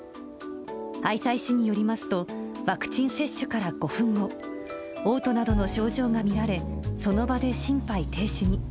愛西市によりますと、ワクチン接種から５分後、おう吐などの症状が見られ、その場で心肺停止に。